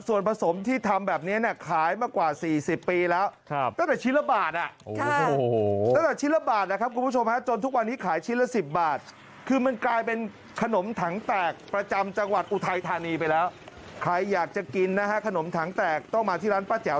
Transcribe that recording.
ส่วนผสมที่ทำแบบนี้ขายมากว่า๔๐ปีแล้ว